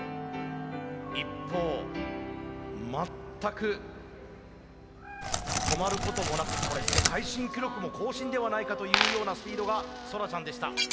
一方全く止まることもなくこれ世界新記録も更新ではないかというようなスピードがソラちゃんでした。